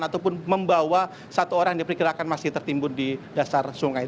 ataupun membawa satu orang yang diperkirakan masih tertimbun di dasar sungai